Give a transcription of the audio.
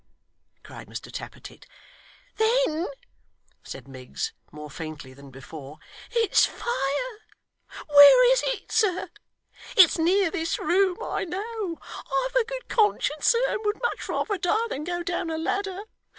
cried Mr Tappertit. 'Then,' said Miggs, more faintly than before, 'it's fire. Where is it, sir? It's near this room, I know. I've a good conscience, sir, and would much rather die than go down a ladder.